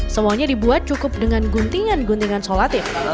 semuanya dibuat cukup dengan guntingan guntingan solatif